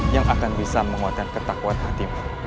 yang akan bisa menguatkan ketakuan hatimu